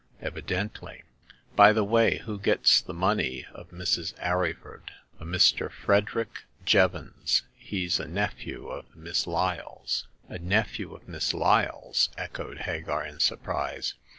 Evidently. By the way, who gets the money of Mrs. Arryford ?"A Mr. Frederick Jevons ; he's a nephew of Miss Lyle's." A nephew of Miss Lyle's !" echoed Hagar, in surprise.